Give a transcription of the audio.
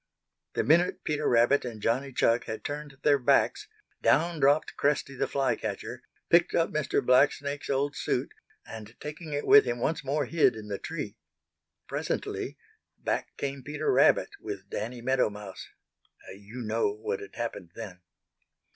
The minute Peter Rabbit and Johnny Chuck had turned their backs down dropped Cresty the Fly catcher, picked up Mr. Blacksnake's old suit, and taking it with him, once more hid in the tree. Presently back came Peter Rabbit with Danny Meadow Mouse. You know what had happened then.